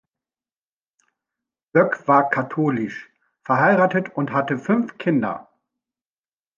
Böck war katholisch, verheiratet und hatte fünf Kinder.